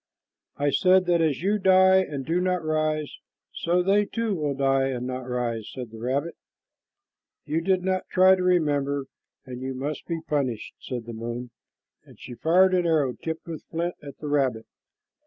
"I said that as you die and do not rise, so they too will die and not rise," said the rabbit. "You did not try to remember, and you must be punished," said the moon, and she fired an arrow tipped with flint at the rabbit.